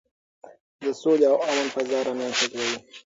د سولې او امن فضا رامنځته کړئ.